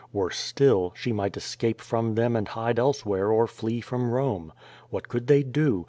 AVorse still, she might escape from them and hide elsewhere or flee from Eome. What could they do?